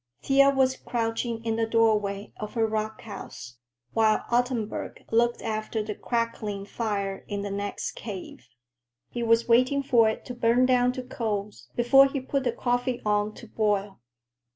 Thea was crouching in the doorway of her rock house, while Ottenburg looked after the crackling fire in the next cave. He was waiting for it to burn down to coals before he put the coffee on to boil.